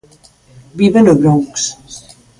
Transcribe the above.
Vive no Bronx.